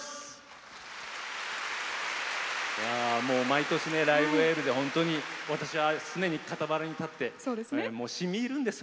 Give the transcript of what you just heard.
毎年「ライブ・エール」で本当に私は、常に傍らに立ってしみいるんです。